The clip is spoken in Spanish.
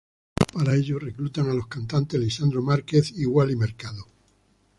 Para ello reclutan a los cantantes Lisandro Márquez y Wally Mercado.